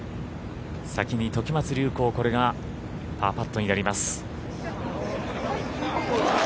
先に時松隆光これがパーパットになります。